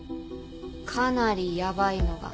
かなりヤバいのが。